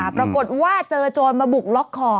ปรากฏว่าเจอโจรมาบุกล็อกคอ